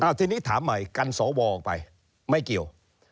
ทีนี้ถามใหม่กันสวออกไปไม่เกี่ยว